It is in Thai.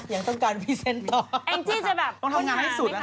ยังต้องการพรีเซนต์ต่อต้องทำงานให้สุดนะคะ